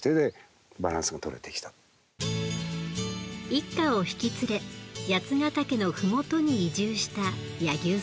一家を引き連れ八ヶ岳の麓に移住した柳生さん。